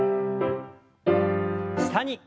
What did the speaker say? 下に。